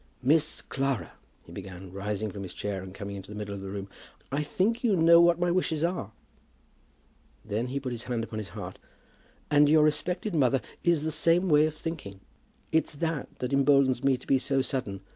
"Miss Clara," he began, rising from his chair, and coming into the middle of the room, "I think you know what my wishes are." Then he put his hand upon his heart. "And your respected mother is the same way of thinking. It's that that emboldens me to be so sudden.